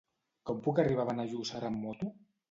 Com puc arribar a Benejússer amb moto?